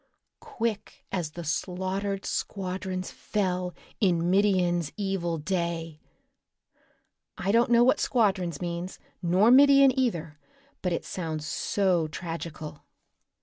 "'Quick as the slaughtered squadrons fell In Midian's evil day.' "I don't know what 'squadrons' means nor 'Midian,' either, but it sounds so tragical.